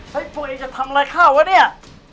ตัวเองจะทำอะไรข้าววะเนี่ย